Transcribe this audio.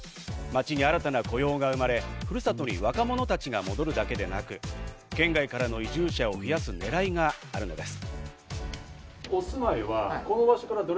町に新たな雇用が生まれ故郷に若者たちが戻るだけでなく、県外からの移住者を増やす狙いがあるんです。